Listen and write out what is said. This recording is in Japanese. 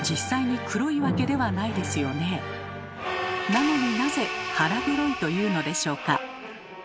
なのになぜ「腹黒い」というのでしょうか？